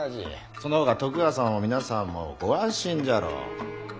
その方が徳川様も皆様もご安心じゃろう。